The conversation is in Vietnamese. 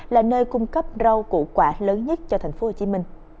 là nơi cung cấp rau củ quả lớn nhất cho tp hcm